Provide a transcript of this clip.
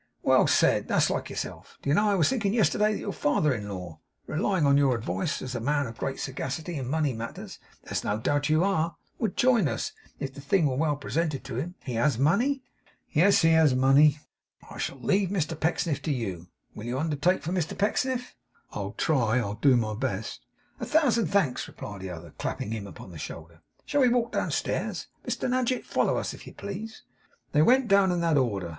'Well said! That's like yourself. Do you know I was thinking yesterday that your father in law, relying on your advice as a man of great sagacity in money matters, as no doubt you are, would join us, if the thing were well presented to him. He has money?' 'Yes, he has money.' 'Shall I leave Mr Pecksniff to you? Will you undertake for Mr Pecksniff.' 'I'll try. I'll do my best.' 'A thousand thanks,' replied the other, clapping him upon the shoulder. 'Shall we walk downstairs? Mr Nadgett! Follow us, if you please.' They went down in that order.